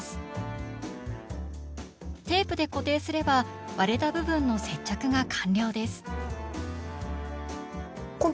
テープで固定すれば割れた部分の接着が完了です。